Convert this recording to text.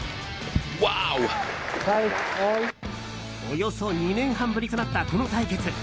およそ２年半ぶりとなったこの対決。